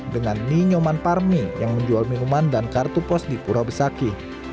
dengan ni nyoman parmi yang menjual minuman dan kartu pos di pura besaki